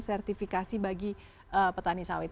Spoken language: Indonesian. sertifikasi bagi petani sawit